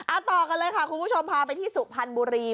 เอาต่อกันเลยค่ะคุณผู้ชมพาไปที่สุพรรณบุรี